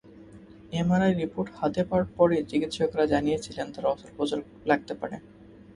MRI report হাতে পাওয়ার পরই চিকিৎসকেরা জানিয়েছিলেন, তাঁর অস্ত্রোপচার লাগতে পারে।